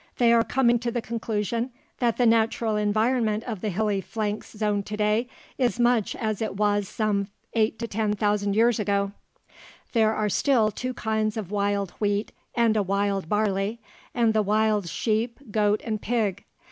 They are coming to the conclusion that the natural environment of the hilly flanks zone today is much as it was some eight to ten thousand years ago. There are still two kinds of wild wheat and a wild barley, and the wild sheep, goat, and pig.